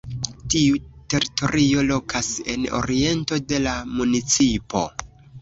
Tiu teritorio lokas en oriento de la municipo.